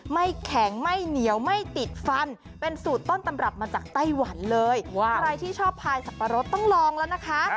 พายสับปะรสต้องลองแล้วนะคะ